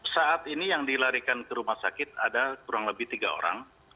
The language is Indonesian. saat ini yang dilarikan ke rumah sakit ada kurang lebih tiga orang